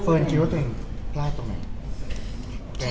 เฟิร์นคิดว่าตัวเองพลาดตรงไหน